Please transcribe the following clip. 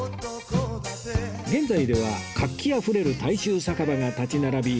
現在では活気あふれる大衆酒場が立ち並び